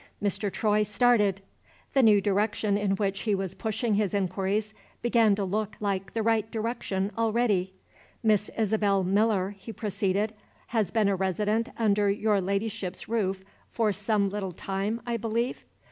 Mr. Troy started. The new direction in which he was pushing his inquiries began to look like the right direction already. "Miss Isabel Miller," he proceeded, "has been a resident under your Ladyship's roof for some little time, I believe?"